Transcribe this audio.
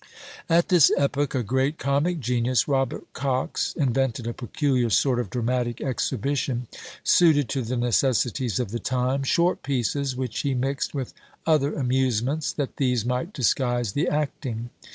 At this epoch a great comic genius, Robert Cox, invented a peculiar sort of dramatic exhibition, suited to the necessities of the time, short pieces which he mixed with other amusements, that these might disguise the acting.